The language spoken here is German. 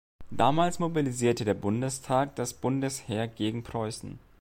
Damals mobilisierte der Bundestag das Bundesheer gegen Preußen.